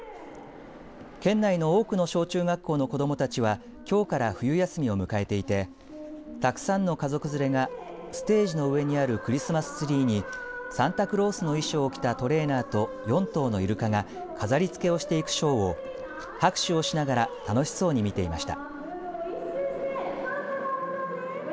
県内の多くの小中学校の子どもたちはきょうから冬休みを迎えていてたくさんの家族連れがステージの上にあるクリスマスツリーにサンタクロースの衣装を着たトレーナーと４頭のイルカが飾りつけをしていくショーを拍手をしながら楽しそうに見ていました。